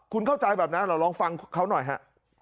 คุณเข้าใจแบบนั้นเราลองฟังเขาหน่อยฮะ